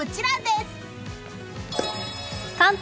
関東